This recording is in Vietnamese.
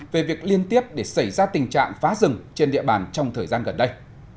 về việc liên tiếp để xảy ra tình trạng phá rừng trên địa bàn trong thời gian gần đây